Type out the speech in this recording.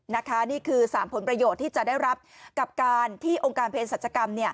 นี่คือ๓ผลประโยชน์ที่จะได้รับกับการที่องค์การเพศรัชกรรม